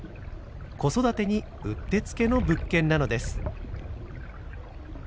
子育てにうってつけの物件なのです。